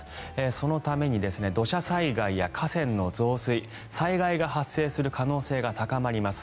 そのために土砂災害や河川の増水災害が発生する可能性が高まります。